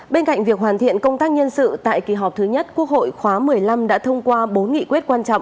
bên cạnh việc hoàn thiện công tác nhân sự tại kỳ họp thứ nhất quốc hội khóa một mươi năm đã tự nhiên tạo ra một nội dung quan trọng